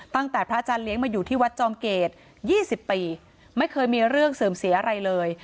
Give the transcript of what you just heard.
พระอาจารย์เลี้ยงมาอยู่ที่วัดจอมเกต๒๐ปีไม่เคยมีเรื่องเสื่อมเสียอะไรเลย